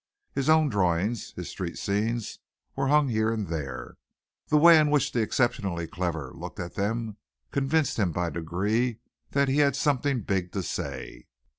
His own drawings, his street scenes, were hung here and there. The way in which the exceptionally clever looked at them convinced him by degrees that he had something big to say.